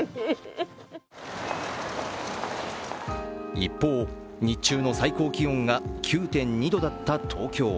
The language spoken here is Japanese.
一方、日中の最高気温が９．２度だった東京。